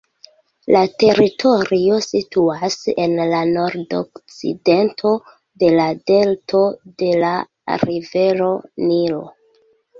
La teritorio situas en la nordokcidento de la delto de la rivero Nilo.